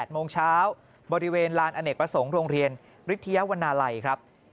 โมงเช้าบริเวณลานอเนกประสงค์โรงเรียนฤทยาวนาลัยครับ